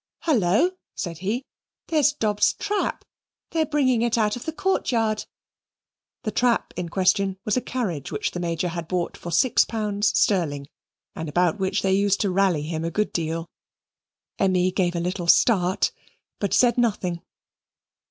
"Hullo!" said he, "there's Dob's trap they are bringing it out of the court yard." The "trap" in question was a carriage which the Major had bought for six pounds sterling, and about which they used to rally him a good deal. Emmy gave a little start, but said nothing.